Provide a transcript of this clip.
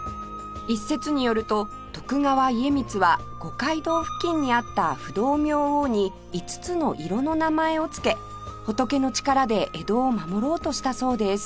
一説によると徳川家光は五街道付近にあった不動明王に５つの色の名前をつけ仏の力で江戸を守ろうとしたそうです